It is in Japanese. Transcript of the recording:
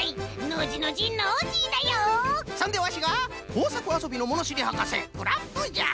そんでワシがこうさくあそびのものしりはかせクラフトじゃ！